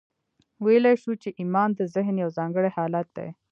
ویلای شو چې ایمان د ذهن یو ځانګړی حالت دی